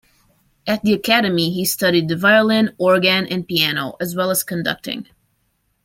At the academy he studied the violin, organ, and piano as well as conducting.